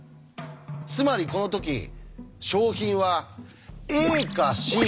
つまりこのとき賞品はＡかＣ